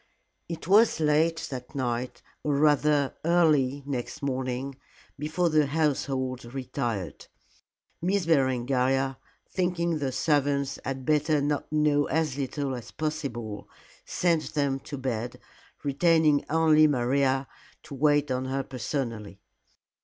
It was late that night or rather early next morning before the household retired. Miss Berengaria, thinking the servants had better know as little as possible, sent them to bed, retaining only Maria to wait on her personally.